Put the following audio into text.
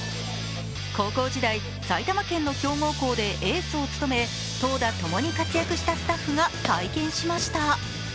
高校時代、埼玉県の強豪校でエースを務め、投打ともに活躍したスタッフが体験しました。